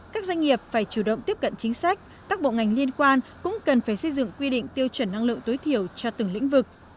các doanh nghiệp phải chủ động tiếp cận chính sách các bộ ngành liên quan cũng cần phải xây dựng quy định tiêu chuẩn năng lượng tối thiểu cho từng lĩnh vực